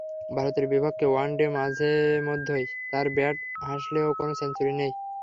ভারতের বিপক্ষে ওয়ানডেতে মাঝে মধ্যেই তাঁর ব্যাট হাসলেও কোনো সেঞ্চুরি নেই তামিমের।